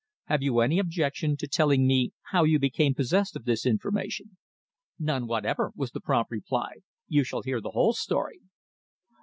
"Have you any objection to telling me how you became possessed of this information?" "None whatever," was the prompt reply. "You shall hear the whole story."